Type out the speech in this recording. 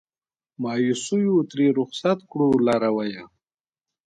مایوسیو ترې رخصت کړو لارویه